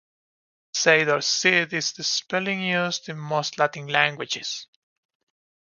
Said or Sid is the spelling used in most Latin languages.